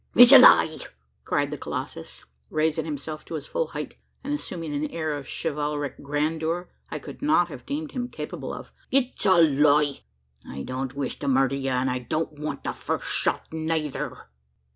"It's a lie!" cried the colossus, raising himself to his full height, and assuming an air of chivalric grandeur I could not have deemed him capable of "it's a lie! I don't wish to murder ye; an' I don't want the the first shot neyther."